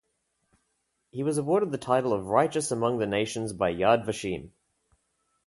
He was awarded the title of Righteous Among the Nations by Yad Vashem.